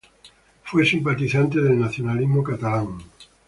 Fue simpatizante del nacionalismo catalán.